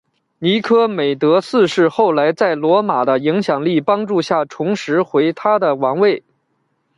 尼科美德四世后来在罗马的影响力帮助下重拾回他的王位。